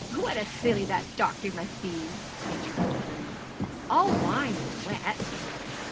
'What a silly that doctor must be!' interrupted Vernon; 'all wine is wet.'